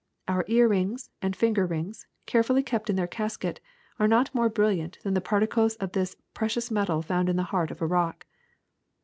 Our ear rings and finger rings, carefully kept in their casket, are not more brilliant than the particles of this precious metal found in the heart of a rock.